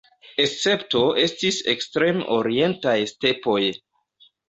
Escepto estis ekstrem-orientaj stepoj.